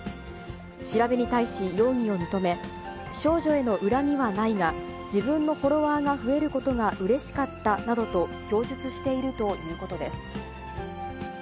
調べに対し、容疑を認め、少女への恨みはないが、自分のフォロワーが増えることがうれしかったなどと供述しているということです。